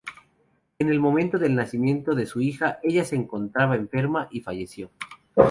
En el momento del nacimiento de su hija, ella se encontraba enferma y falleció.